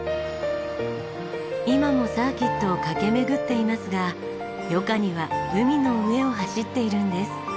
今もサーキットを駆け巡っていますが余暇には海の上を走っているんです。